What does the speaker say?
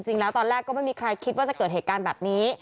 จริงแล้วตอนแรกก็ไม่มีใครคิดว่าจะเกิดเหตุการณ์แบบนี้